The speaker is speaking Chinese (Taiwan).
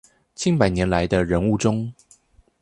近百年來的人物中